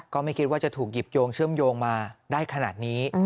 ก็ไม่คิดว่าจะถูกหยิบโยงเชื่อมโยงมาได้ขนาดนี้